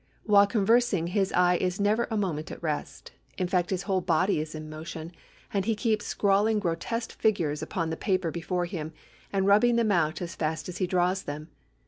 While conversing his eye is never a moment at rest: in fact his whole body is in motion, and he keeps scrawling grotesque figures upon the paper before him, and rubbing them out again as fast as he draws them.